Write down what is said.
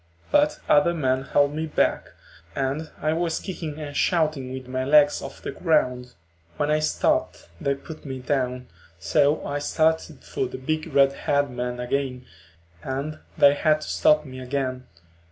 But other men held me back, and I was kicking and shouting with my legs off the ground. When I stopped they put me down, so I started for the big red haired man again and they had to stop me again.